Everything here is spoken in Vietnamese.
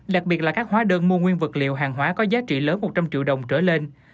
đặc biệt là các hóa đơn mua nguyên vật liệu hàng hóa có giá trị lớn một trăm linh triệu đồng trở lên